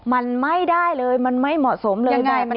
มันไม่ได้เลยมันไม่เหมาะสมเลย